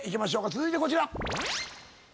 続いてこちら。